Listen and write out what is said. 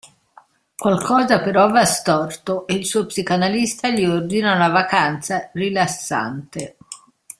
Qualcosa però va storto e il suo psicanalista gli ordina una vacanza rilassante.